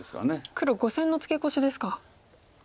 黒５線のツケコシですか。